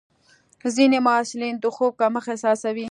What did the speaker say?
ځینې محصلین د خوب کمښت احساسوي.